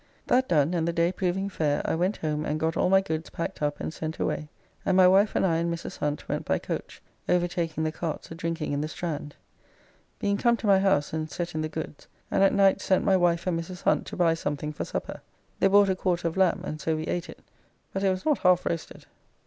That done and the day proving fair I went home and got all my goods packed up and sent away, and my wife and I and Mrs. Hunt went by coach, overtaking the carts a drinking in the Strand. Being come to my house and set in the goods, and at night sent my wife and Mrs. Hunt to buy something for supper; they bought a Quarter of Lamb, and so we ate it, but it was not half roasted.